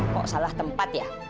kok salah tempat ya